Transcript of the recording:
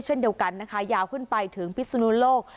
เช่นเดียวกันนะคะยาวขึ้นไปถึงพิศนุโลก